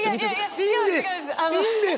いいんです！